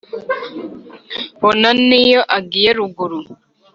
bona n’iyo agiye ruguru,